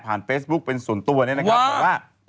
ผ่านเฟซบุ๊คเป็นส่วนตัวนี้นะครับ